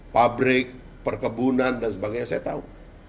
pabrik perkebunan dan sebagainya saya tahu